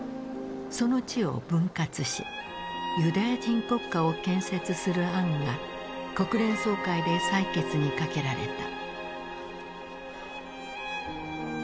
その地を分割しユダヤ人国家を建設する案が国連総会で採決にかけられた。